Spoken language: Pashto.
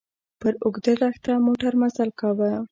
پر اوږده دښته موټر مزل کاوه.